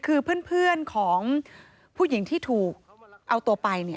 คือเพื่อนของผู้หญิงที่ถูกเอาตัวไป